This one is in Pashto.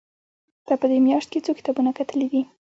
تا په دې مياشت کې څو کتابونه کتلي دي؟